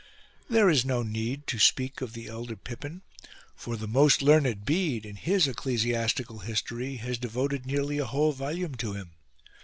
There is no need to speak of the elder Pippin, for the most learned Bede in his ecclesiastical history has devoted nearly a whole volume to him.